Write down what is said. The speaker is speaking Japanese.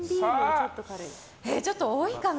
ちょっと多いかな？